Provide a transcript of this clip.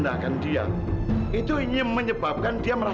dan juga cita cita mama